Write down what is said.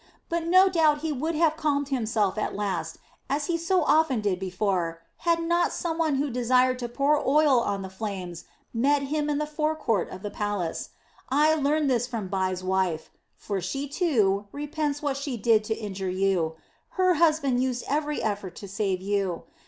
But no doubt he would have calmed himself at last, as he so often did before, had not some one who desired to pour oil on the flames met him in the fore court of the palace. I learned all this from Bai's wife; for she, too, repents what she did to injure you; her husband used every effort to save you.